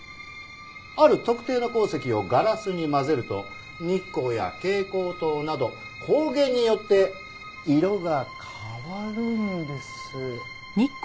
ある特定の鉱石をガラスに混ぜると日光や蛍光灯など光源によって色が変わるんです。